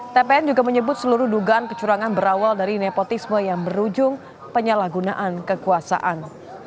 tpn juga menyebut seluruh dugaan kecurangan berawal dari nepotisme yang berujung penyalahgunaan kekuasaan